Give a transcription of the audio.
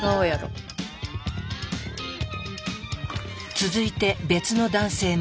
続いて別の男性も。